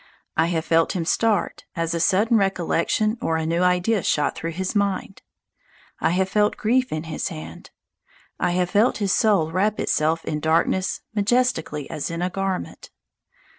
I have felt him start as a sudden recollection or a new idea shot through his mind. I have felt grief in his hand. I have felt his soul wrap itself in darkness majestically as in a garment.